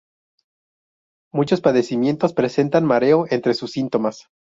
Muchos padecimientos presentan mareo entre sus síntomas.